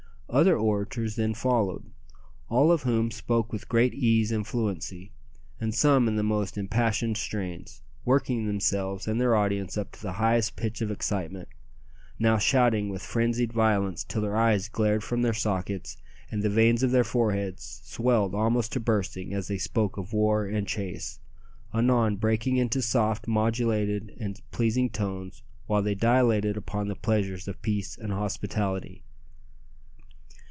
Other orators then followed, all of whom spoke with great ease and fluency, and some in the most impassioned strains, working themselves and their audience up to the highest pitch of excitement, now shouting with frenzied violence till their eyes glared from their sockets and the veins of their foreheads swelled almost to bursting as they spoke of war and chase, anon breaking into soft modulated and pleasing tones while they dilated upon the pleasures of peace and hospitality.